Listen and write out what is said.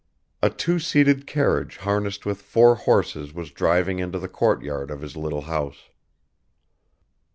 A two seated carriage harnessed with four horses was driving into the courtyard of his little house.